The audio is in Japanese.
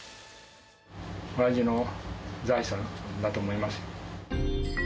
おやじの財産だと思いますよ。